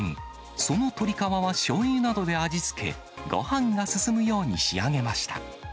その鶏皮はしょうゆなどで味付け、ごはんが進むように仕上げました。